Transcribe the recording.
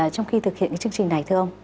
trong khi thực hiện chương trình này thưa ông